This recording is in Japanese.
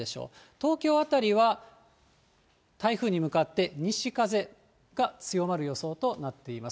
東京辺りは台風に向かって西風が強まる予想となっています。